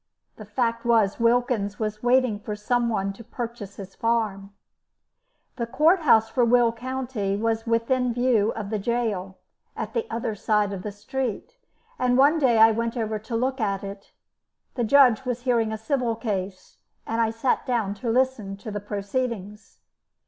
The fact was Wilkins was waiting for someone to purchase his farm. The court house for Will County was within view of the gaol, at the other side of the street, and one day I went over to look at it. The judge was hearing a civil case, and I sat down to listen to the proceedings.